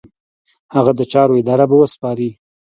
هغه د چارو اداره به وسپاري.